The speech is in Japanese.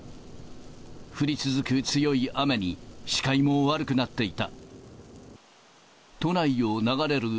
降り続く強い雨に、視界も悪くなっていた。